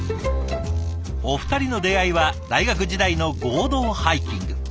お二人の出会いは大学時代の合同ハイキング。